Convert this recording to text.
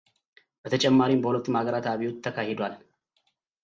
በተጨማሪም በሁለቱም አገራት አብዮት ተካሂዷል።